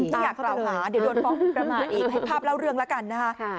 เดี๋ยวโดนพอประมาณอีกให้ภาพเล่าเรื่องละกัน